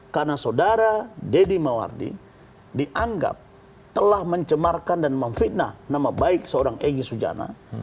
karena saudara deddy mawardi dianggap telah mencemarkan dan memfitnah nama baik seorang egy sujana